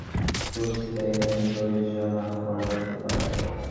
ভাবলাম, যেহেতু চলচ্চিত্রে অভিনয় করছি, তাই এখানে প্রযোজনা করা যেতে পারে।